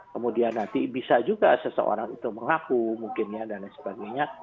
kemudian nanti bisa juga seseorang itu mengaku mungkin ya dan lain sebagainya